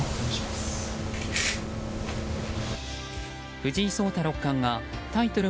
藤井聡太六冠がタイトル